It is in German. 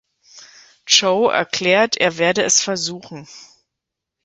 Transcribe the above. Chow erklärt, er werde es versuchen.